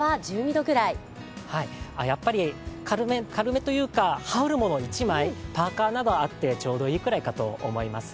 やっぱり軽めというか羽織るもの一枚、パーカーなどあってちょうどいいくらいかと思います。